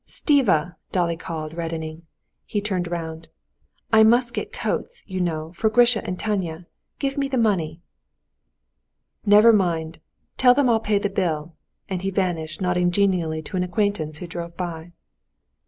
Stiva!" Dolly called, reddening. He turned round. "I must get coats, you know, for Grisha and Tanya. Give me the money." "Never mind; you tell them I'll pay the bill!" and he vanished, nodding genially to an acquaintance who drove by.